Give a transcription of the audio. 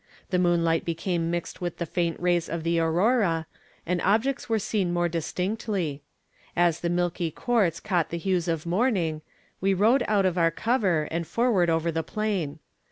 The moonlight became mixed with the faint rays of the aurora, and objects were seen more distinctly. As the milky quartz caught the hues of morning, we rode out of our cover, and forward over the plain.